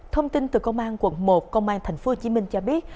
thông tin từ công an quận một công an tp hcm cho biết